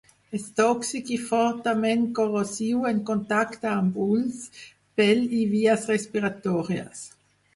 És tòxic i fortament corrosiu en contacte amb ulls, pell i vies respiratòries.